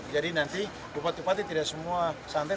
jadi nanti bupati bupati tidak semua santai